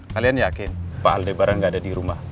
kalian yakin pak aldai barang gak ada di rumah